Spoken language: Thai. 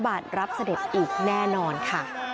น้องพระเจริญก็ถึง